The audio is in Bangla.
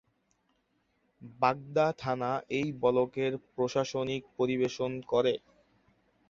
বাগদা থানা এই ব্লকের প্রশাসনিক পরিবেশন করে।